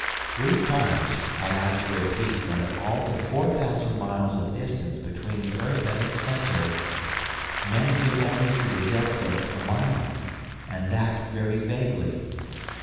Three times had I to repeat that of all the 4000 miles of distance between the earth and its centre men knew only to the depth of a mile, and that very vaguely.